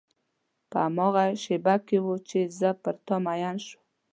په هماغه شېبه کې و چې زه پر تا مینه شوم.